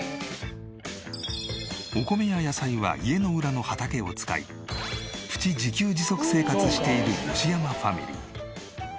お米や野菜は家の裏の畑を使いプチ自給自足生活している吉山ファミリー。